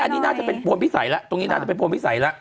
อันนี้น่าจะเป็นแล้วตรงนี้น่าจะเป็นล้วนภิษร์ล่ะ